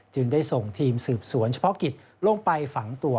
จึงได้ส่งทีมสืบสวนเฉพาะกิจลงไปฝังตัว